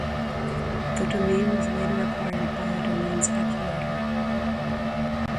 The domain was later acquired by a domain speculator.